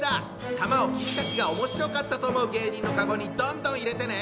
玉を君たちが面白かったと思う芸人のカゴにどんどん入れてね！